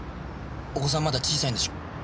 お子さんまだ小さいんでしょ？